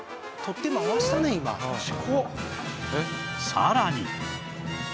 さらに